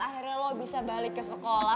akhirnya lo bisa balik ke sekolah